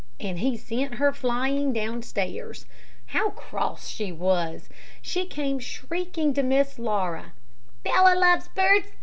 And he sent her flying downstairs. How cross she was! She came shrieking to Miss Laura. "Bella loves birds.